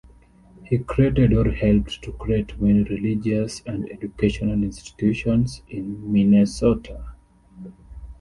He created or helped to create many religious and educational institutions in Minnesota.